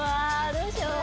どうしよう。